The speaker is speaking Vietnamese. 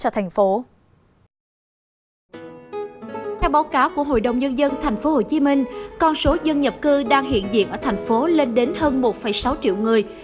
theo báo cáo của hội đồng nhân dân tp hcm con số dân nhập cư đang hiện diện ở thành phố lên đến hơn một sáu triệu người